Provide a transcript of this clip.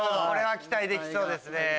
期待できそうですね。